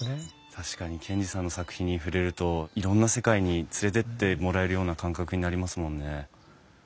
確かに賢治さんの作品に触れるといろんな世界に連れてってもらえるような感覚になりますもんね。